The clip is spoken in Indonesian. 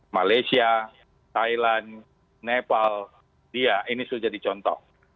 malaysia thailand nepal dia ini sudah jadi contoh